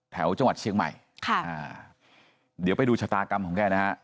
จังหวัดเชียงใหม่ค่ะอ่าเดี๋ยวไปดูชะตากรรมของแกนะฮะ